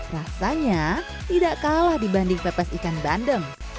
rasanya tidak kalah dibanding pepes ikan bandeng